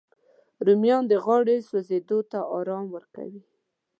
رومیان د غاړې سوځېدو ته ارام ورکوي